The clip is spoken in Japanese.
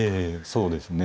そうですね。